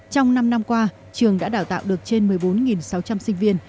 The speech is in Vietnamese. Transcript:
trong năm năm qua trường đã đào tạo được trên một mươi bốn sáu trăm linh sinh viên